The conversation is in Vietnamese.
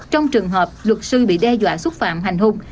trong trường hợp luật sư bị đe dọa xúc phạm hành hung